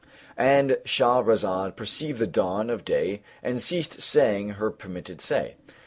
And Shahrazad perceived the dawn of day and ceased saying her permitted say.